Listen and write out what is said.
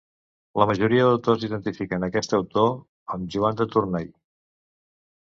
La majoria d'autors identifiquen aquest autor amb Joan de Tournai.